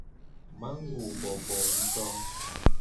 Mago bobo nguto.